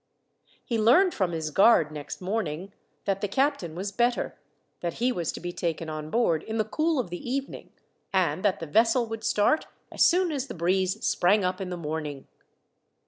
He learned from his guard, next morning, that the captain was better, that he was to be taken on board in the cool of the evening, and that the vessel would start as soon as the breeze sprang up in the morning.